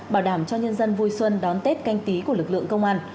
bảo đảm cho nhân dân vui xuân đón tết canh tí của lực lượng công an